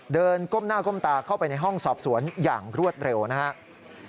ก้มหน้าก้มตาเข้าไปในห้องสอบสวนอย่างรวดเร็วนะครับ